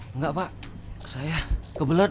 enggak pak saya kebelet